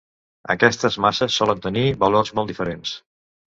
Aquestes masses solen tenir valors molt diferents.